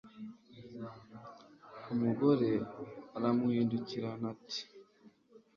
umugore aramuhindukirana ati